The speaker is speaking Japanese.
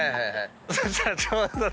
そしたらちょうど。